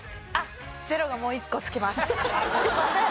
すいません。